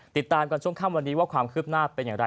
ติดตามกันช่วงค่ำวันนี้ว่าความคืบหน้าเป็นอย่างไร